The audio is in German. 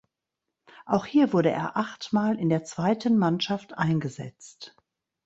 Auch hier wurde er achtmal in der zweiten Mannschaft eingesetzt.